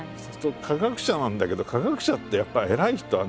科学者なんだけど科学者ってやっぱ偉い人はね